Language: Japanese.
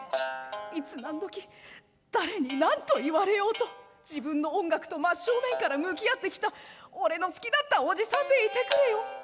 いつ何時誰に何と言われようと自分の音楽と真正面から向き合ってきた俺の好きだったおじさんでいてくれよ』